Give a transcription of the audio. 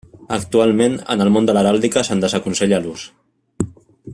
Actualment, en el món de l'heràldica se'n desaconsella l'ús.